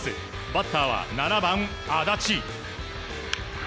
バッターは７番、安達。